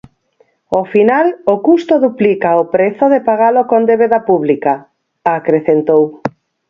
"Ao final o custo duplica o prezo de pagalo con débeda pública", acrecentou.